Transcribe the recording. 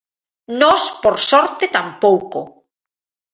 Nós, por sorte, tampouco.